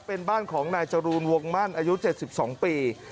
เป็นบ้านของนายจรูนวงมั่นอายุ๗๒ปี